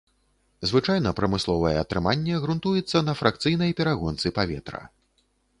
Звычайна прамысловае атрыманне грунтуецца на фракцыйнай перагонцы паветра.